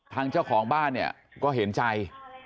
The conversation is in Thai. ทางเจ้าของบ้านเนี่ยก็เห็นใจ